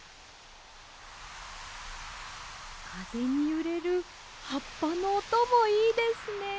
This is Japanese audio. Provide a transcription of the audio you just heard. かぜにゆれるはっぱのおともいいですね。